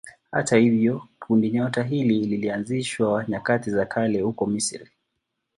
Hata hivyo kundinyota hili lilianzishwa nyakati za kale huko Misri.